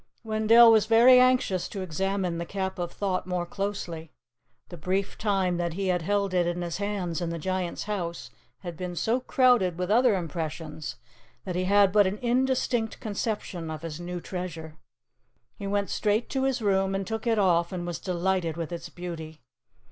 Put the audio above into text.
Wendell was very anxious to examine the Cap of Thought more closely. The brief time that he had held it in his hands in the Giant's house had been so crowded with other impressions that he had but an indistinct conception of his new treasure. He went straight to his room and took it off and was delighted with its beauty.